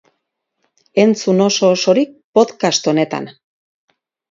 Entzun oso-osorik podcast honetan.